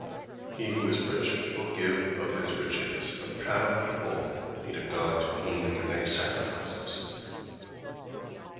He who is rich will give of his riches; a proud people need a god to whom they can make sacrifices....